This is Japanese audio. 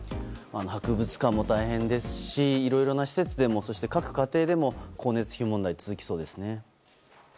博物館も大変ですしいろいろな施設でもそして、各家庭でも光熱費問題が続きそうですね。